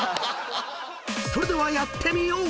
［それではやってみよう！